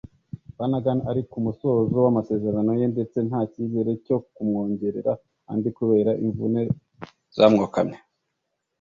Flanagan ari ku musozo w’amasezerano ye ndetse nta cyizere cyo kumwongerera andi kubera imvune zamwokamye